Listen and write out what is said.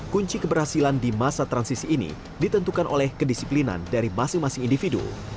kunci keberhasilan di masa transisi ini ditentukan oleh kedisiplinan dari masing masing individu